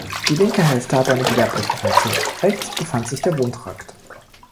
Die linke Hälfte hatte eine gewerbliche Funktion, rechts befand sich der Wohntrakt.